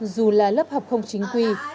dù là lớp học không chính quy